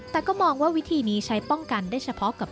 แต่ก็มองว่าวิธีนี้ใช้ป้องกันได้เฉพาะกับ